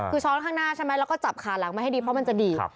คือช้อนข้างหน้าใช่ไหมแล้วก็จับขาหลังมาให้ดีเพราะมันจะดีด